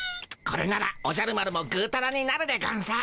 これならおじゃる丸もぐーたらになるでゴンス。